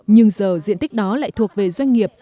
nhưng giờ diện tích đó lại thuộc về doanh nghiệp